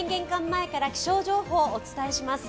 前から気象情報、お伝えします。